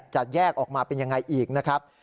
จะแยกออกมาเป็นยังไงอีกนะครับ